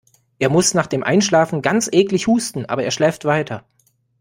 Er muss nach dem Einschlafen ganz eklig husten, aber er schläft weiter.